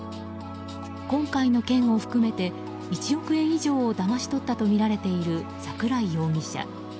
今回の件を含めて、１億円以上をだまし取ったとみられている桜井容疑者。